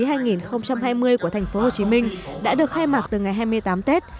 tết canh tý hai nghìn hai mươi của tp hcm đã được khai mạc từ ngày hai mươi tám tết